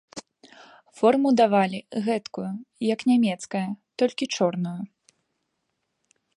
Форму давалі, гэткую, як нямецкая, толькі чорную.